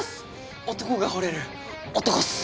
男がほれる男っす。